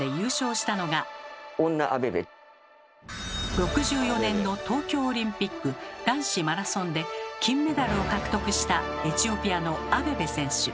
６４年の東京オリンピック男子マラソンで金メダルを獲得したエチオピアのアベベ選手。